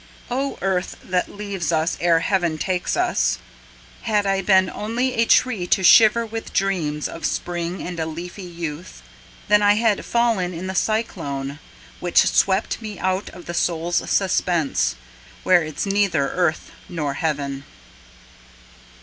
O earth that leaves us ere heaven takes us! Had I been only a tree to shiver With dreams of spring and a leafy youth, Then I had fallen in the cyclone Which swept me out of the soul's suspense Where it's neither earth nor heaven.